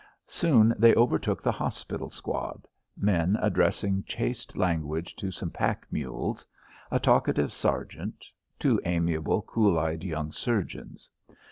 Soon they overtook the hospital squad; men addressing chaste language to some pack mules; a talkative sergeant; two amiable, cool eyed young surgeons.